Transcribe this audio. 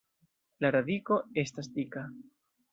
La radiko estas dika.